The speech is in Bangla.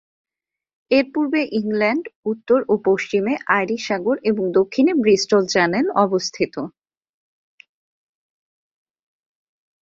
এর পূর্বে ইংল্যান্ড, উত্তর ও পশ্চিমে আইরিশ সাগর এবং দক্ষিণে ব্রিস্টল চ্যানেল অবস্থিত।